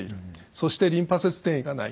そしてリンパ節転移がない。